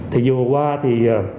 thì vừa qua thì